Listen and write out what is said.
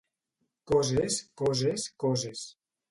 Coses, coses, coses...